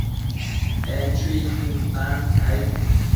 En chuiquin tan aid